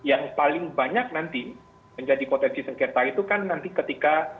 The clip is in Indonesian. dan yang paling banyak nanti menjadi potensi sengketa itu kan nanti ketika